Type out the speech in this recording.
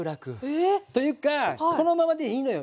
えっ！というかこのままでいいのよ。